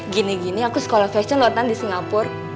gini gini aku sekolah fashion luar tanah di singapur